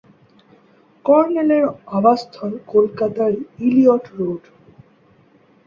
কর্নেলের আবাসস্থল কলকাতার Eliot road.